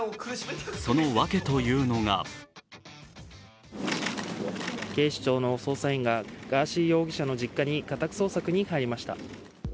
その訳というのが警視庁の捜査員がガーシー容疑者の実家に家宅捜索に入りました。